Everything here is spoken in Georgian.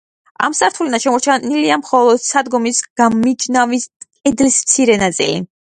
ამ სართულიდან შემორჩენილია მხოლოდ სადგომის გამმიჯნავი კედლის მცირე ნაწილი.